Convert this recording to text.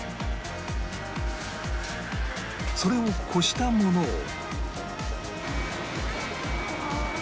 それをこしたものを